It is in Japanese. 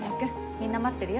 みんな待ってるよ。